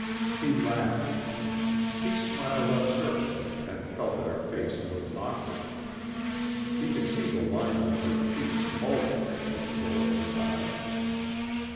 He laughed. She smiled uncertainly and felt that her face looked awkward. She could see the lines of her cheeks bulging as she lowered her eyes.